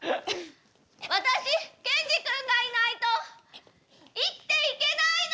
私ケンジ君がいないと生きていけないの！